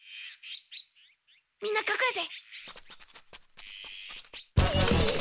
みんなかくれて！